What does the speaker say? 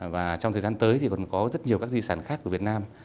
và trong thời gian tới thì còn có rất nhiều các di sản khác của việt nam